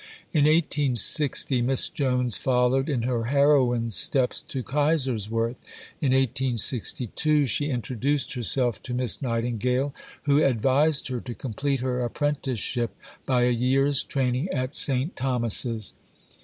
In 1860 Miss Jones followed in her heroine's steps to Kaiserswerth. In 1862 she introduced herself to Miss Nightingale, who advised her to complete her apprenticeship by a year's training at St. Thomas's.